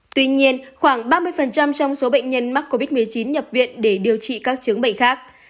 tuy nhiên khoảng ba mươi trong số bệnh nhân mắc covid một mươi chín nhập viện để điều trị các chứng bệnh khác